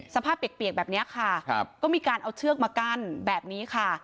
เปียกแบบนี้ค่ะก็มีการเอาเชือกมากั้นแบบนี้ค่ะ